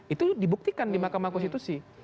itu dibuktikan di mahkamah konstitusi